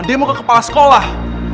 demo ke kepala sekolah